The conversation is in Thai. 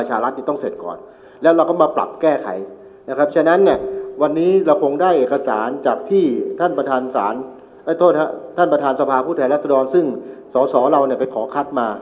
จากที่ท่านประทานสารโทษฮะท่านประทานสภาพูดแทนรัฐสดรรมซึ่งสอสอเราเนี้ยไปขอคัดมา